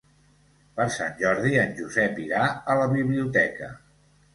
Per Sant Jordi en Josep irà a la biblioteca.